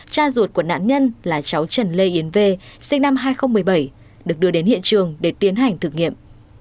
cha ruột của nạn nhân là cháu trần lê yến v sinh năm hai nghìn một mươi bảy được đưa đến hiện trường để tiến hành thử nghiệm